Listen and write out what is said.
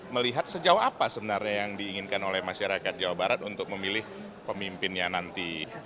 melihat sejauh apa sebenarnya yang diinginkan oleh masyarakat jawa barat untuk memilih pemimpinnya nanti